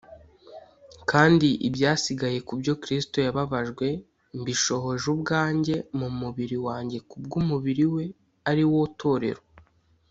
kandi ibyasigaye ku byo Kristo yababajwe mbishohoje ubwanjye mu mubiri wanjye ku bw’umubiri we ari wo Torero